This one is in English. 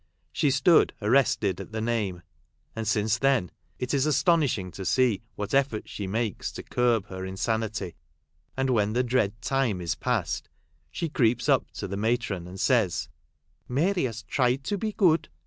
She stood ar rested at the name ; and since then, it is as tonishing to see what efforts she makes to curb her insanity ; and when the dread time ia past, she creeps up to the matron, and says, " Mary has tried to be good.